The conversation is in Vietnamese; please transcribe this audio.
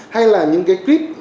hay là những cái clip